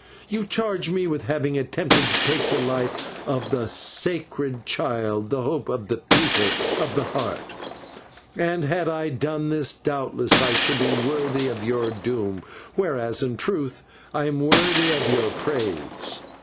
You charge me with having attempted to take the life of 'the sacred child, the hope of the People of the Heart,' and, had I done this, doubtless I should be worthy of your doom, whereas in truth I am worthy of your praise.